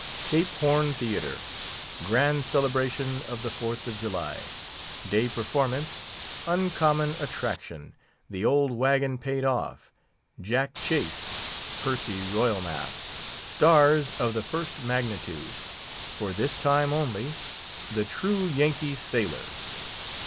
CAPE HORN THEATRE. Grand Celebration of the Fourth of July. DAY PERFORMANCE. UNCOMMON ATTRACTION. THE OLD WAGON PAID OFF! JACK CHASE. ... PERCY ROYAL MAST. STARS OF THE FIRST MAGNITUDE. For this time only. THE TRUE YANKEE SAILOR.